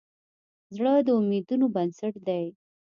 زړه د امیدونو بنسټ دی.